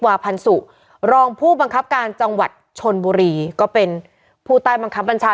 วาพันธ์สุรองผู้บังคับการจังหวัดชนบุรีก็เป็นผู้ใต้บังคับบัญชา